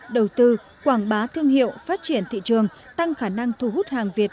đầu tư quảng bá thương hiệu phát triển thị trường tăng khả năng thu hút hàng việt